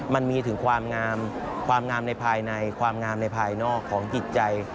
มันมีถึงความงามในภายในความงามในภายนอกของจิตใจ